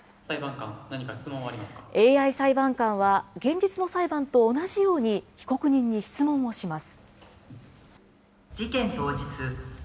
ＡＩ裁判官は現実の裁判と同じように、被告人に質問をします。